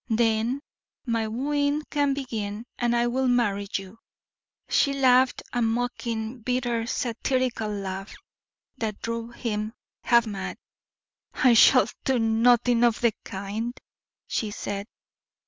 Then my wooing can begin, and I will marry you." She laughed a mocking, bitter, satirical laugh, that drove him half mad. "I shall do nothing of the kind," she said.